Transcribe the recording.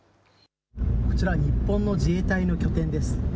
こちら日本の自衛隊の拠点です。